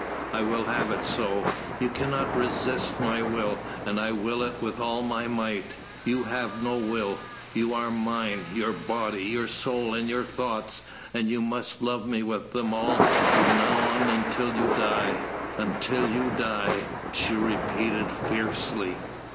I will have it so. You cannot resist my will, and I will it with all my might. You have no will you are mine, your body, your soul, and your thoughts, and you must love me with them all from now until you die until you die," she repeated fiercely.